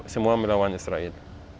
semua melawan israel